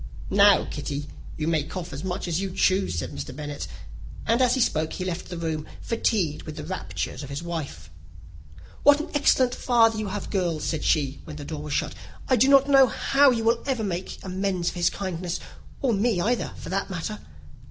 "Now, Kitty, you may cough as much as you choose," said Mr. Bennet; and, as he spoke, he left the room, fatigued with the raptures of his wife. "What an excellent father you have, girls," said she, when the door was shut. "I do not know how you will ever make him amends for his kindness; or me either, for that matter.